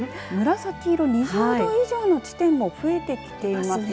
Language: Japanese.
紫色、２０度以上の地点も増えてきていますね。